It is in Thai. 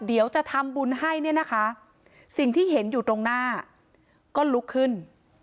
เดี๋ยวจะทำบุญให้เนี่ยนะคะสิ่งที่เห็นอยู่ตรงหน้าก็ลุกขึ้น